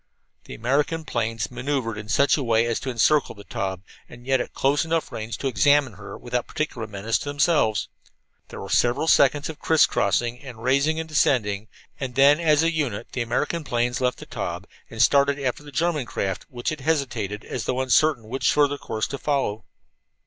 The American planes maneuvered in such a way as to encircle the Taube, and yet at close enough range to examine her without particular menace to themselves. There were several seconds of criss crossing and rising and descending, and then as a unit the American planes left the Taube and started after the German craft, which had hesitated, as though uncertain what further course to follow.